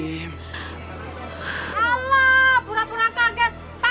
allah pura pura kaget